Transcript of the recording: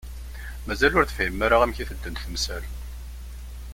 Mazal ur tefhimem ara amek i teddunt temsal.